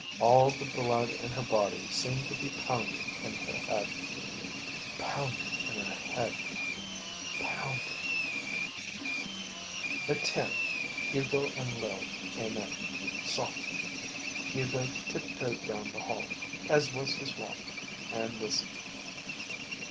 All the blood in her body seemed to be pounding in her head ... pounding in her head ... pounding.... At ten Hugo and Lil came in, softly. Hugo tiptoed down the hall, as was his wont, and listened.